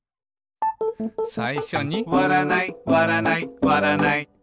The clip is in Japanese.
さいしょに「わらないわらないわらない」